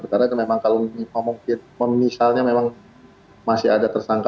karena memang kalau misalnya memang masih ada tersangka